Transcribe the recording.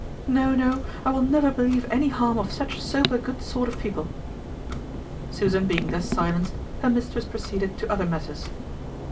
No, no, I will never believe any harm of such sober good sort of people." Susan being thus silenced, her mistress proceeded to other matters.